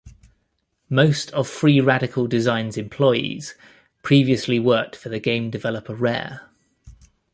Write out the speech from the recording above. Most of Free Radical Design's employees previously worked for the game developer Rare.